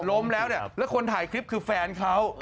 ล้มแล้วเนี่ยแล้วคนถ่ายคลิปคือแฟนเขา